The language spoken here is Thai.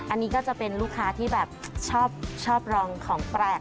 อันนี้ก็จะเป็นลูกค้าที่แบบชอบรองของแปลก